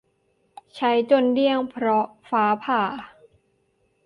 ใช้จนเดี้ยงเพราะฟ้าผ่า